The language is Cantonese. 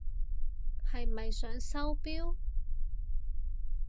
係咪想收錶？